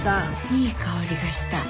いい香りがした。